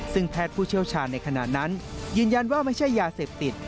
ซึ่งแพทย์ผู้เชี่ยวชาญในขณะนั้นยืนยันว่าไม่ใช่ยาเสพติด